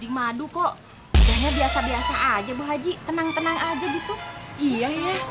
di maduk kok biasa biasa aja bu haji tenang tenang aja gitu iya ya